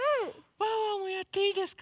ワンワンもやっていいですか？